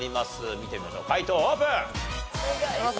見てみましょう解答オープン！